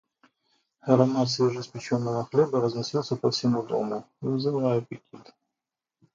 Аромат свежеиспеченного хлеба разносился по всему дому, вызывая аппетит.